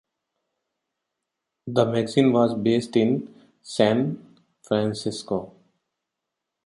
The magazine was based in San Francisco.